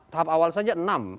tahap awal saja enam